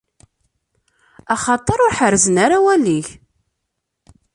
Axaṭer ur ḥerrzen ara awal-ik.